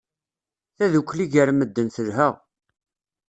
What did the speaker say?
Tadukli gar medden telha.